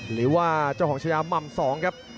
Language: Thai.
หรือว่าเจ้าของชายาหม่ำ๒ครับ